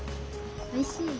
おいしい？